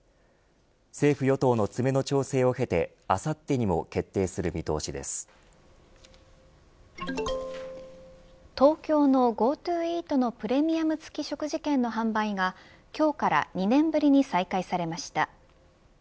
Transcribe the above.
政府、与党の詰めの調整を経てあさってにも東京のＧｏＴｏイートのプレミアム付き食事券の販売が今日から２年ぶりに再開されました。